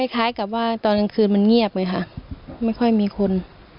คล้ายกับว่าตอนกลางคืนมันเงียบเลยค่ะไม่ค่อยมีคน